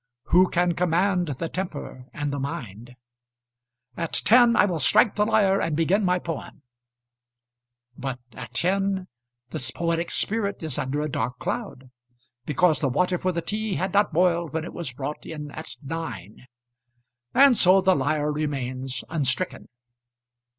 Who, can command the temper and the mind? At ten I will strike the lyre and begin my poem. But at ten the poetic spirit is under a dark cloud because the water for the tea had not boiled when it was brought in at nine. And so the lyre remains unstricken.